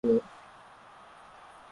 ya kwamba mazungumzo hayo yangeisha salama